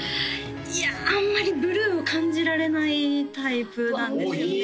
いやあんまりブルーを感じられないタイプなんですよね